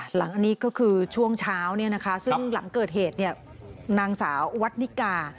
หลังอันนี้ก็คือช่วงเช้าซึ่งหลังเกิดเหตุนางสาววัดนิกา